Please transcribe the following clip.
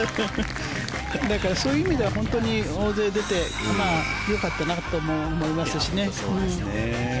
だから、そういう意味では本当に大勢出てよかったなと思いますしね。